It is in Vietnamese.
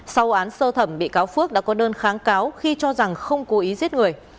sau án sơ thẩm bị cáo phước đã có đơn kháng cáo khi cho rằng không cố ý giết người